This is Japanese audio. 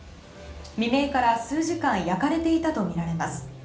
未明から数時間焼かれていたとみられます。